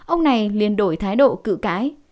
ông này liên đội thái độ cự cãi